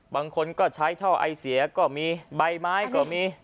บางคนก็ใช้ท่อไอเสียก็มีใบไม้ก็มี